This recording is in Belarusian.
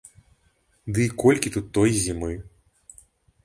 Ды і колькі тут той зімы.